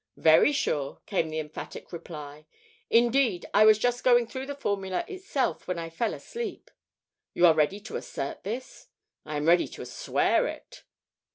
"Very sure," came the emphatic reply. "Indeed, I was just going through the formula itself when I fell asleep." "You are ready to assert this?" "I am ready to swear it."